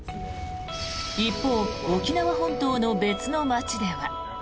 一方、沖縄本島の別の町では。